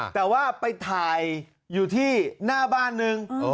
แต่ว่าไปถ่ายอยู่ที่หน้าบ้านนึง